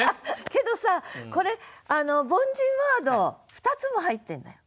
けどさこれ凡人ワード２つも入ってるんだよ。